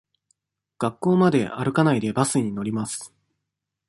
学校まで歩かないで、バスに乗ります。